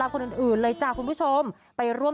ศิลปินผู้ไทย